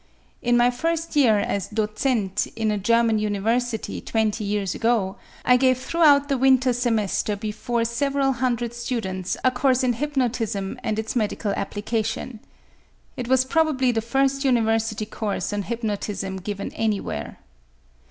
In my first year as docent in a German university twenty years ago, I gave throughout the winter semester before several hundred students a course in hypnotism and its medical application. It was probably the first university course on hypnotism given anywhere.